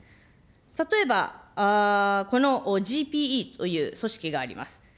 例えばこのＧＰＥという組織があります。